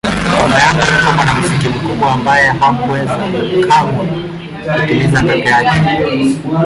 Baba yangu alikuwa mwanamuziki mkubwa ambaye hakuweza kamwe kutimiza ndoto yake.